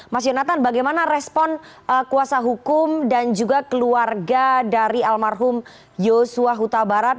mas yonatan bagaimana respon kuasa hukum dan juga keluarga dari almarhum yosua huta barat